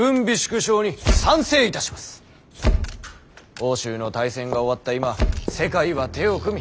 欧州の大戦が終わった今世界は手を組み